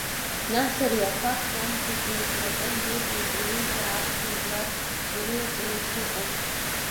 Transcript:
Нас ари афакт иамҳәаӡои Платон Бебиа ипоезиа аԥсуа жәлар ирылаҵәаны ишыҟоу.